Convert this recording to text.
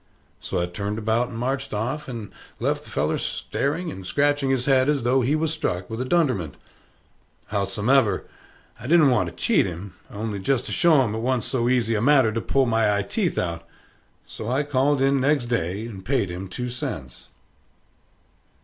So I turned about and marched off, and left the feller staring and scratching his head, as though he was struck with a dunderment. Howsomever, I didn't want to cheat him, only jest to show 'em it wa'n't so easy a matter to pull my eye teeth out; so I called in next day and paid him two cents.